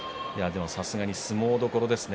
さすがに相撲どころですね